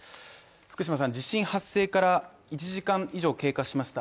福島さん、地震発生から１時間以上経過しました。